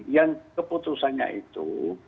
yang keputusannya itu